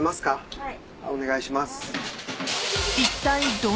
はい。